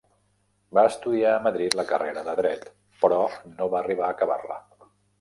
Va estudiar a Madrid la carrera de Dret però no va arribar a acabar-la.